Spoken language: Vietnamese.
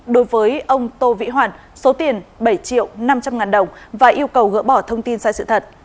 đối với ông tô vĩ hoàn số tiền bảy triệu năm trăm linh ngàn đồng và yêu cầu gỡ bỏ thông tin sai sự thật